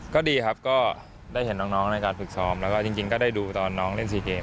ก็ดีครับก็ได้เห็นน้องในการฝึกซ้อมแล้วก็จริงก็ได้ดูตอนน้องเล่นซีเกม